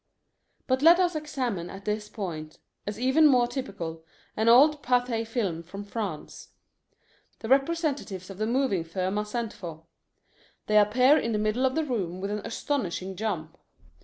But let us examine at this point, as even more typical, an old Pathé Film from France. The representatives of the moving firm are sent for. They appear in the middle of the room with an astonishing jump.